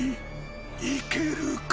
いけるか？］